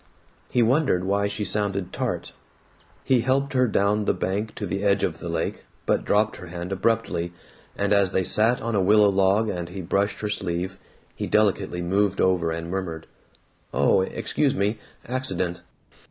He wondered why she sounded tart. He helped her down the bank to the edge of the lake but dropped her hand abruptly, and as they sat on a willow log and he brushed her sleeve, he delicately moved over and murmured, "Oh, excuse me accident."